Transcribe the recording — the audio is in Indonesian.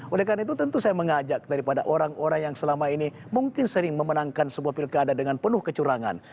oleh karena itu tentu saya mengajak daripada orang orang yang selama ini mungkin sering memenangkan sebuah pilkada dengan penuh kecurangan